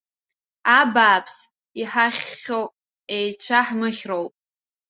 Абааԥс, иҳахьхьхоу еицәа ҳмыхьроуп!